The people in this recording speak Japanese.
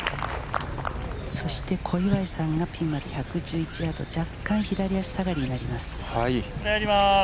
そして小祝さんがピンまで１１１ヤード、若干左足下がりになります。